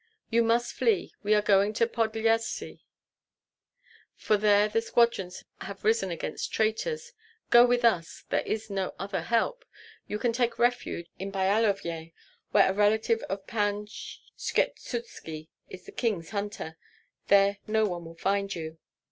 "You must flee. We are going to Podlyasye, for there the squadrons have risen against traitors; go with us. There is no other help. You can take refuge in Byalovyej, where a relative of Pan Skshetuski is the king's hunter. There no one will find you."